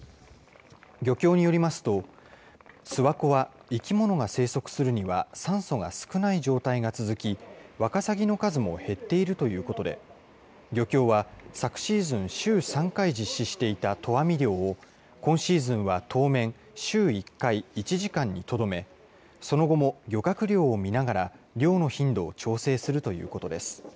漁協によりますと、諏訪湖は生き物が生息するには酸素が少ない状態が続き、ワカサギの数も減っているということで、漁協は昨シーズン週３回実施していた投網漁を、今シーズンは当面、週１回、１時間にとどめ、その後も漁獲量を見ながら漁の頻度を調整するということです。